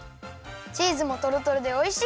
チーズもとろとろでおいしい！